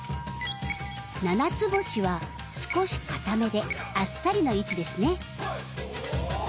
ななつぼしは少しかためであっさりの位置ですね。